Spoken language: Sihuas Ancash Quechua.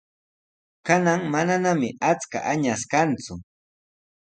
Kanan mananami achka añas kanku.